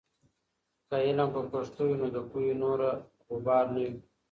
که علم په پښتو وي، نو د پوهې نوره غبار نه وي.